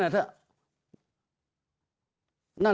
จังหวะนี้